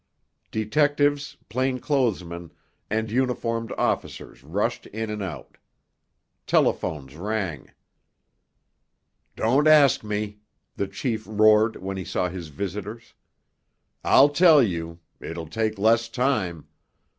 Detectives, plain clothes men, and uniformed officers rushed in and out. Telephones rang. "Don't ask me," the chief roared when he saw his visitors. "I'll tell you—it'll take less time.